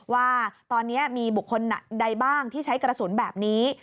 ว่าตอนนี้มีบุคคลใดบ้างที่ใช้กระสุนแบบนี้